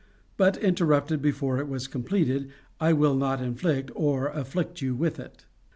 But, interrupted before it was completed, I will not inflict, or afflict, you with it.